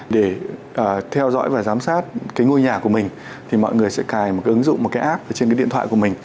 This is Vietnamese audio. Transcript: để theo dõi và giám sát cái ngôi nhà của mình thì mọi người sẽ cài một cái ứng dụng một cái app trên cái điện thoại của mình